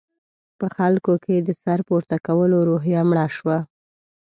په خلکو کې د سر پورته کولو روحیه مړه شوه.